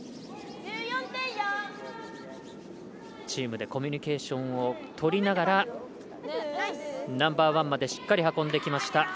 チームでコミュニケーションをとりながらナンバーワンまでしっかり運んできました。